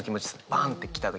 バンって来た時は。